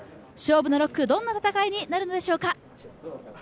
勝負の６区、どんな戦いになるのでしょうか？